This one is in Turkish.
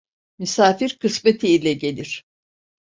Misafir kısmeti ile gelir.